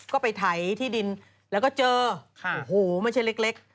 ก็ไปไถที่ดินแล้วก็เจอโอ้โหไม่ใช่เล็ก